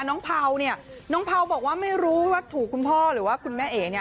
เพาเนี่ยน้องเผาบอกว่าไม่รู้ว่าถูกคุณพ่อหรือว่าคุณแม่เอ๋เนี่ย